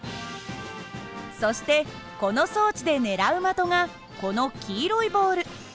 そしてこの装置で狙う的がこの黄色いボール。